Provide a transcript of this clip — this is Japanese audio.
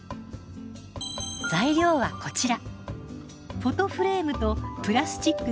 材料はこちら。